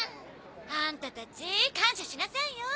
あんたたち感謝しなさいよ。